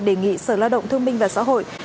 đề nghị sở lao động thương minh và xã hội